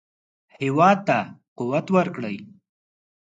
هېواد ته قوت ورکړئ